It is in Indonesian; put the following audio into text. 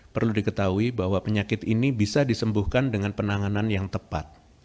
perlu diketahui bahwa penyakit ini bisa disembuhkan dengan penanganan yang tepat